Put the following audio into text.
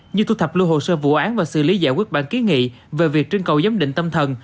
như thu thập lưu hồ sơ vụ án và xử lý giải quyết bản kiến nghị về việc trưng cầu giám định tâm thần